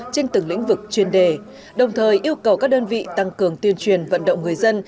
trên từng lĩnh vực chuyên đề đồng thời yêu cầu các đơn vị tăng cường tuyên truyền vận động người dân